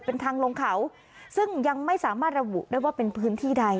เป็นทางลงเขาซึ่งยังไม่สามารถระบุได้ว่าเป็นพื้นที่ใด